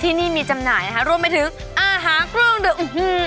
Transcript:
ที่นี่มีจำหน่ายเข้ามาดู